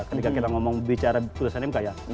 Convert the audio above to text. ketika kita bicara putusan mk ya